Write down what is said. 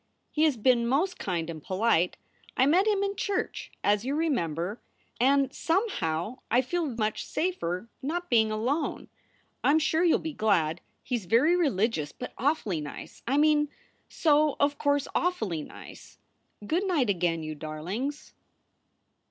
He has been most kind and polite. I met him in church, as you remember, and somehow I 68 SOULS FOR SALE feel much safer not being alone. I m sure you ll be glad. He s very religious, but awfully nice I mean, so, of course, awfully nice. Good night again you darlings!